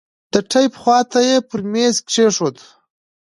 د ټېپ خوا ته يې پر ميز کښېښود.